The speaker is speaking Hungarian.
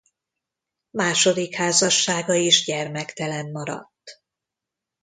Második házassága is gyermektelen maradt.